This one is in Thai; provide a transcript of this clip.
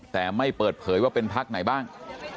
แต่ไม่เปิดเผยว่าเป็นพักไหนบ้าง